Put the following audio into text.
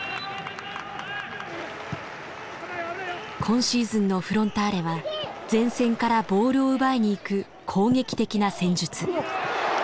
今シーズンのフロンターレは前線からボールを奪いに行く攻撃的な戦術。